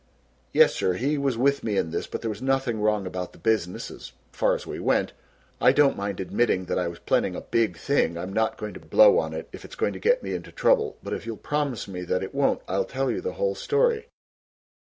"Yes, sir. He was with me in this but there was nothing wrong about the business as far as we went. I don't mind admitting that I was planning a Big Thing. I'm not going to blow on it, if it's going to get me into trouble, but if you'll promise me that it won't, I'll tell you the whole story."